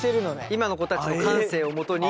今の子たちの感性をもとに。